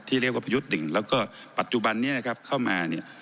เรียกว่าประยุทธ์หนึ่งแล้วก็ปัจจุบันนี้นะครับเข้ามาเนี่ย